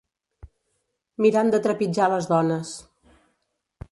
Mirant de trepitjar les dones